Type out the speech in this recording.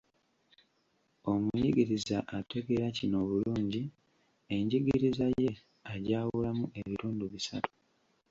Omuyigiriza ategeera kino obulungi, enjigiriza ye agyawulamu ebitundu bisatu.